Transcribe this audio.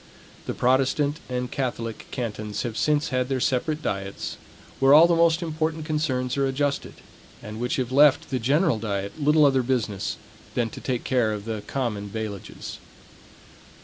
The Protestant and Catholic cantons have since had their separate diets, where all the most important concerns are adjusted, and which have left the general diet little other business than to take care of the common bailages.